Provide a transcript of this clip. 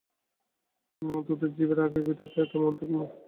তোদের জিবের আগায় বিধাতা এত মধু দিনরাত্রি জোগান কোথা হতে আমি তাই ভাবি।